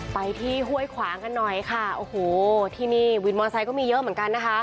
ไปที่ห้วยขวางกันหน่อยค่ะโอ้โหที่นี่วินมอไซค์ก็มีเยอะเหมือนกันนะคะ